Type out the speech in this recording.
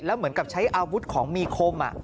เหมือนกับใช้อาวุธของมีคม